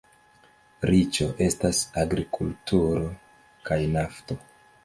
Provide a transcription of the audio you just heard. Riĉo estas agrikulturo kaj nafto.